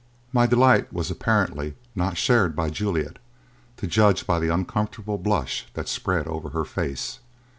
My delight was, apparently, not shared by Juliet, to judge by the uncomfortable blush that spread over her face.